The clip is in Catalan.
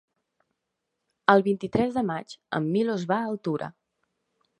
El vint-i-tres de maig en Milos va a Altura.